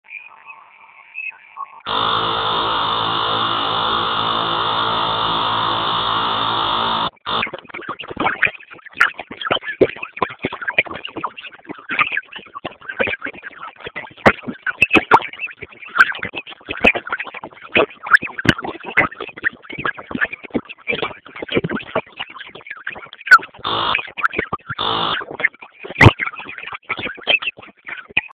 kutoka kwa shirika la maendeleo la umoja mataifa yaani undp